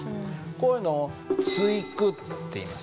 こういうのを対句法っていいます。